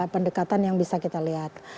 pendekatan yang bisa kita lihat